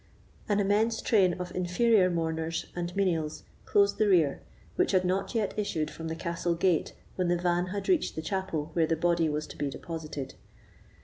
An immense train of inferior mourners and menials closed the rear, which had not yet issued from the castle gate when the van had reached the chapel where the body was to be deposited.